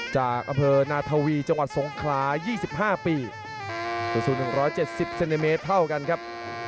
จากอำเภอนาทาวีจังหวัดสงครายี่สิบห้าปีสู้สู้หนึ่งร้อยเจ็ดสิบเซนติเมตรเท่ากันครับ